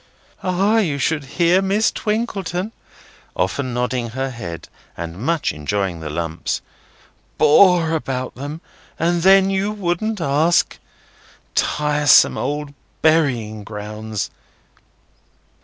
"Ah! you should hear Miss Twinkleton," often nodding her head, and much enjoying the Lumps, "bore about them, and then you wouldn't ask. Tiresome old burying grounds!